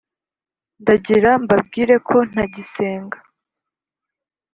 ndagira mbabwire ko ntagisenga